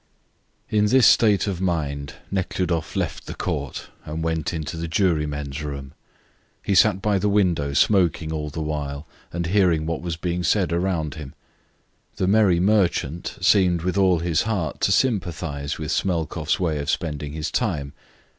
In this state of mind Nekhludoff left the Court and went into the jurymen's room. He sat by the window smoking all the while, and hearing what was being said around him. The merry merchant seemed with all his heart to sympathise with Smelkoff's way of spending his time.